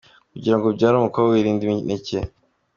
Kugira ngo ubyare umukobwa, irinde imineke.